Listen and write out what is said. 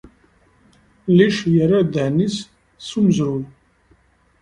Lech yerra ddehn-nnes s amezruy.